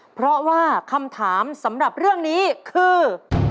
เพราะว่าคำถามสำหรับเรื่องนี้คือ